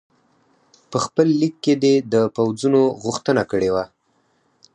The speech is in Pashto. په خپل لیک کې دې د پوځونو غوښتنه کړې وه.